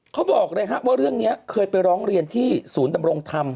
เขาบอกเลยว่าเรื่องนี้เคยไปร้องเรียนที่ศูนย์ดำรงธรรม